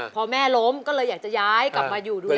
พอแม่ล้มก็เลยอยากจะย้ายกลับมาอยู่ด้วย